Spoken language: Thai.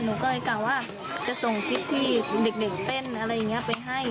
หนูก็เลยกะว่าจะส่งคลิปที่เด็กเต้นอะไรอย่างนี้ไปให้